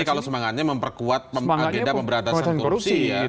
tapi kalau semangatnya memperkuat agenda pemberantasan korupsi ya